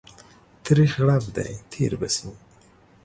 تريخ غړپ دى تير به سي.